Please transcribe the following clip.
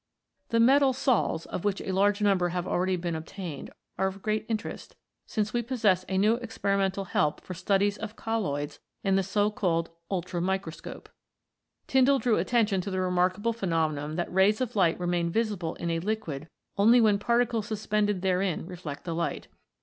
The metal sols, of \vhich a large number have already been obtained, are of great interest, since we possess a new experimental help for studies of colloids in the so called Ullramicroscope. Tyndall drew attention to the remarkable phenomenon that rays of light remain visible in a liquid only when particles suspended therein reflect the light.